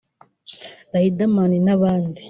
Riderman n’abandi